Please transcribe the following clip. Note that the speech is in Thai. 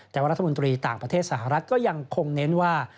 แต่ว่ารัฐมนตรีต่างประเทศสหรัฐก็ยังคงเน้นว่า